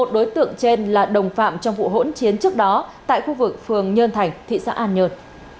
một đối tượng trên là đồng phạm trong vụ hỗn chiến trước đó tại khu vực phường nhơn thành thị xã an nhơn